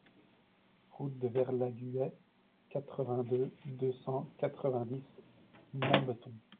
Route de Verlhaguet, quatre-vingt-deux, deux cent quatre-vingt-dix Montbeton